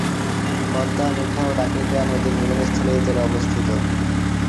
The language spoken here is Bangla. পদ্মা, মেঘনা ও ডাকাতিয়া নদীর মিলনস্থলে এ জেলা অবস্থিত।